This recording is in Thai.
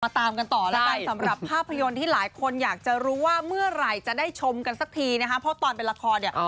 ตามกันต่อแล้วกันสำหรับภาพยนตร์ที่หลายคนอยากจะรู้ว่าเมื่อไหร่จะได้ชมกันสักทีนะคะเพราะตอนเป็นละครเนี่ย